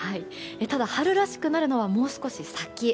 ただ、春らしくなるのはもう少し先。